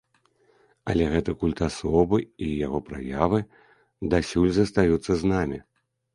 Але гэты культ асобы і яго праявы дасюль застаюцца з намі.